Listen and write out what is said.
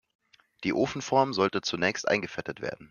Die Ofenform sollte zunächst eingefettet werden.